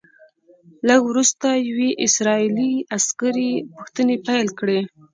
لږ وروسته یوې اسرائیلي عسکرې پوښتنې پیل کړې.